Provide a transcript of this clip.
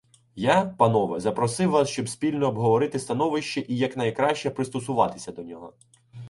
— Я, панове, запросив вас, щоб спільно обговорити становище і якнайкраще пристосуватися до нього.